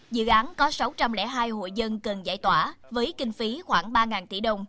dự án có sáu trăm linh hai hội dân cần giải tỏa với kinh phí khoảng ba tỷ đồng